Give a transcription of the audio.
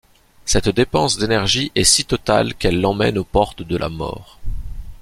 Cette dépense d'énergie est si totale qu'elle l'emmène aux portes de la mort.